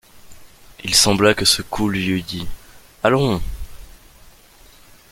Il sembla que ce coup lui eût dit: « Allons!